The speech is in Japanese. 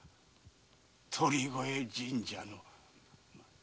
鳥越神社の松に。